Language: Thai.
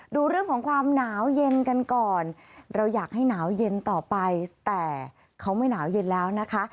ดูเรื่องของความหนาวเย็นกันก่อนเราอยากให้หนาวเย็นต่อไปแต่เขาไม่หนาวเย็นแล้วนะคะ